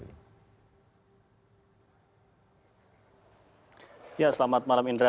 ya selamat malam indra